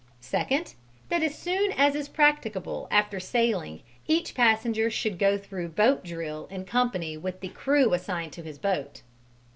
Second, that as soon as is practicable after sailing each passenger should go through boat drill in company with the crew assigned to his boat.